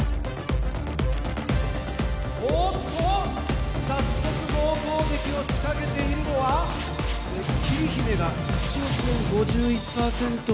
おっと早速猛攻撃を仕掛けているのは桐姫が１億円５１％